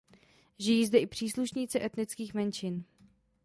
Žijí zde i příslušníci etnických menšin.